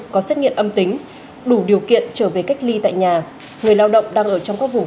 có xét nghiệm âm tính đủ điều kiện trở về cách ly tại nhà người lao động đang ở trong các vùng